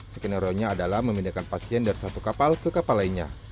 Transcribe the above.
skenario nya adalah memindahkan pasien dari satu kapal ke kapal lainnya